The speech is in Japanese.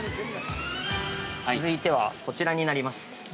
◆続いては、こちらになります。